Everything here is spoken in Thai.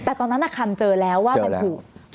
แต่ตอนนั้นคำเจอแล้วว่ามันถูก